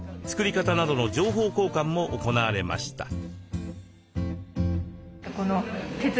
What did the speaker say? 作り方などの情報交換も行われました。